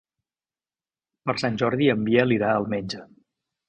Per Sant Jordi en Biel irà al metge.